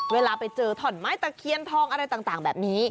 เวลาไปเจอถ่อนไม้ตะเคียนทองอะไรต่างแบบนี้